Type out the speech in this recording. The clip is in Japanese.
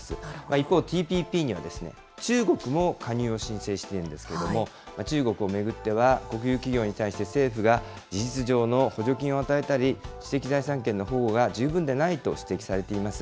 一方、ＴＰＰには、中国も加入を申請しているんですけれども、中国を巡っては、国有企業に対して政府が事実上の補助金を与えたり、知的財産権の保護が十分でないと指摘されています。